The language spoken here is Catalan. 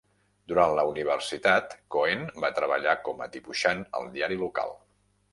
Durant la universitat, Cohen va treballar com a dibuixant al diari local.